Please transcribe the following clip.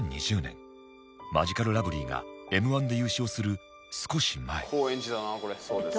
マヂカルラブリーが Ｍ−１ で優勝する少し前